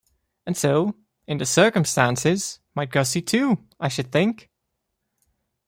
And so, in the circumstances, might Gussie too, I should think.